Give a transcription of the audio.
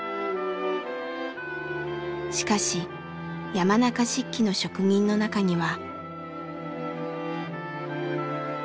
しかし山中漆器の職人の中には。